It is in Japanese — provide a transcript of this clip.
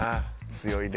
強いで。